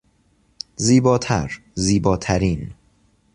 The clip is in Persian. زیباتر، زیباترین